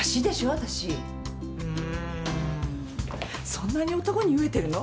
そんなに男に飢えてるの？